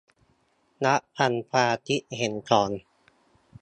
รับฟังความคิดเห็นก่อน